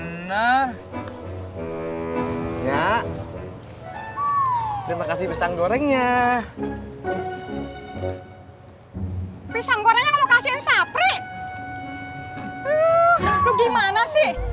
hai nah ya terima kasih pisang gorengnya pisang goreng lo kasih sapri lu gimana sih